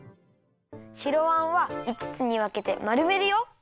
白あんはいつつにわけてまるめるよ。